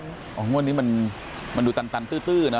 อ๋อวันนี้มันดูตันตื้อนะ